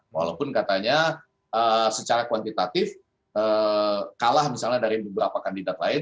walaupun katanya secara kuantitatif kalah misalnya dari beberapa kandidat lain